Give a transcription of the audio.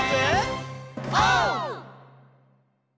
オー！